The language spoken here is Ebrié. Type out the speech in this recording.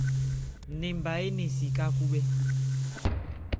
Ninba énɛn si ká khúbhɛ́.